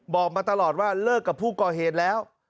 บอกมาตลอดว่าเลิกกับผู้ก่อเหตุแล้ว